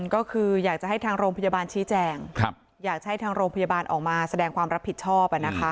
ก็คืออยากจะให้ทางโรงพยาบาลชี้แจงอยากให้ทางโรงพยาบาลออกมาแสดงความรับผิดชอบ